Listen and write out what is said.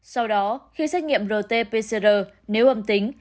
sau đó khi xét nghiệm rt pcr nếu âm tính